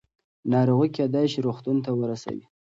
ناروغي کېدای شي روغتون ته ورسوي.